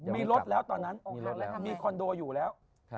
มีรถแล้วตอนนั้นมีคอนโดอยู่แล้ว